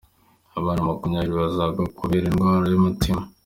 Abana makumyabiri bazabagwa kubera indwara y’umutima